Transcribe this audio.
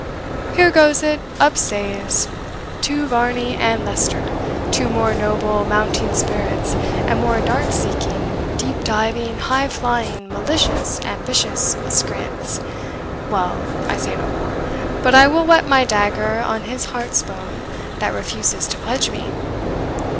Here goes it, up seyes to Varney and Leicester two more noble mounting spirits and more dark seeking, deep diving, high flying, malicious, ambitious miscreants well, I say no more, but I will whet my dagger on his heart spone that refuses to pledge me!